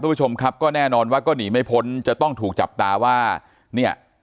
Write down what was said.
ผู้ชมครับก็แน่นอนว่าก็หนีไม่พ้นจะต้องถูกจับตาว่าเนี่ย